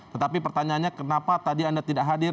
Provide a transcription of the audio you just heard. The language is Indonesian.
tetapi pertanyaannya kenapa tadi anda tidak hadir